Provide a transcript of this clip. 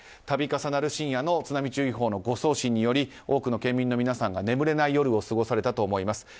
度重なる深夜の津波注意報の誤送信により多くの県民の皆さんが眠れない夜を過ごされたと思います。